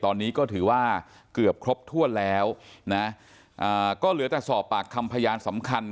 ตอนนี้ก็ถือว่าเกือบครบถ้วนแล้วนะอ่าก็เหลือแต่สอบปากคำพยานสำคัญ